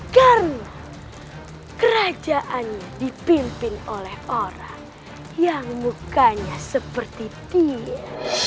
karena kerajaannya dipimpin oleh orang yang mukanya seperti dia